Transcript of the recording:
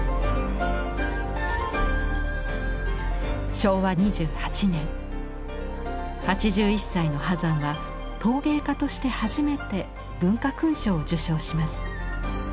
昭和２８年８１歳の波山は陶芸家として初めて文化勲章を受章します。